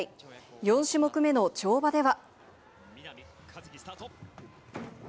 ４種目目の跳馬では。